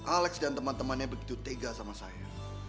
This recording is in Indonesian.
alex dan teman temannya begitu tega sama saya